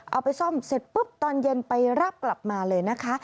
เอาไปซ่อมเสร็จปุ๊บตอนเย็นไปรับกลับมาเลยนะคะ